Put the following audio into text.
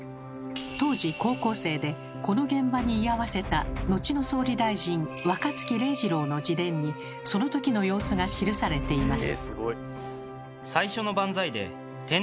当時高校生でこの現場に居合わせたのちの総理大臣若槻礼次郎の自伝にそのときの様子が記されています。